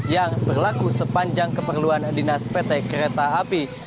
yang berlaku sepanjang keperluan dinas pt kereta api